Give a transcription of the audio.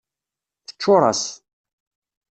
Teččuṛ-as.